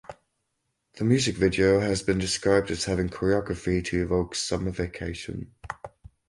The music video has been described as having "choreography to evoke summer vacation".